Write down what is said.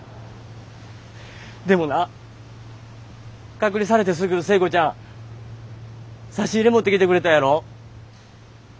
でもな隔離されてすぐ聖子ちゃん差し入れ持ってきてくれたやろ？